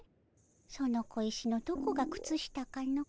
その小石のどこが靴下かの？